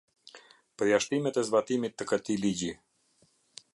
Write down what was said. Përjashtimet e zbatimit të këtij ligji.